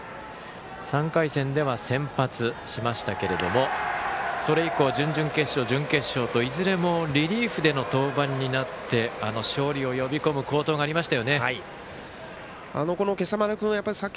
３回戦では先発しましたけれどそれ以降、準々決勝、準決勝といずれもリリーフでの登板になって勝利を呼び込む好投がありました。